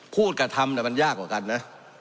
พูดกับทำแต่มันยากกว่ากันน่ะ